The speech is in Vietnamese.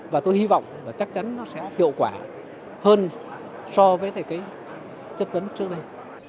và tôi hy vọng là chắc chắn nó sẽ hiệu quả hơn so với cái chất vấn trước đây